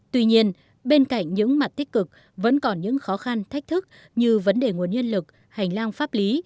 tuy nhiên bên cạnh những mặt tích cực vẫn còn những khó khăn thách thức như vấn đề nguồn nhân lực hành lang pháp lý